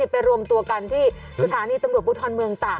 ไปรวมตัวกันที่สถานีตำรวจภูทรเมืองตาก